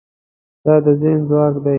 دا د ذهن ځواک دی.